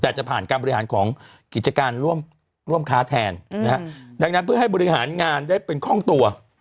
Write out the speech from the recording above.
แต่จะผ่านการบริหารของกิจการร่วมค้าแทนนะฮะดังนั้นเพื่อให้บริหารงานได้เป็นคล่องตัว